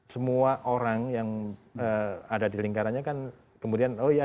semua orang yang ada di lingkarannya kan kemudian oh ya